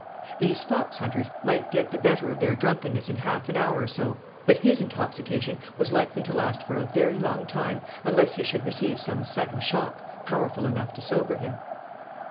These foxhunters might get the better of their drunkenness in half an hour or so; but his intoxication was likely to last for a very long time, unless he should receive some sudden shock, powerful enough to sober him.